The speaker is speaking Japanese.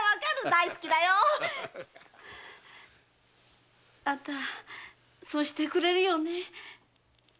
大好きだよ。あんたそうしてくれるよね？